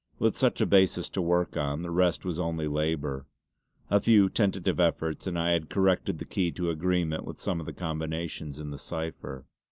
With such a basis to work on, the rest was only labour. A few tentative efforts and I had corrected the key to agreement with some of the combinations in the cipher.